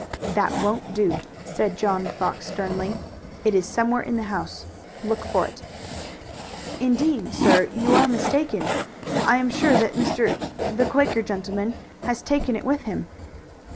"That won't do," said John Fox sternly. "It is somewhere in the house. Look for it." "Indeed, sir, you are mistaken. I am sure that Mr. the Quaker gentleman has taken it with him."